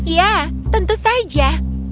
ya tentu saja